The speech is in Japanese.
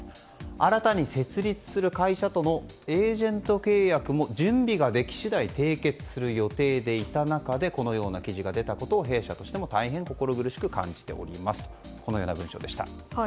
新たに設立する会社とのエージェント契約も準備ができ次第締結する予定でいた中でこのような記事が出たことを弊社としても大変心苦しく感じておりますという文書でした。